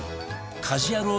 『家事ヤロウ！！！』